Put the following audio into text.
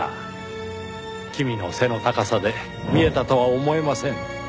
君の背の高さで見えたとは思えません。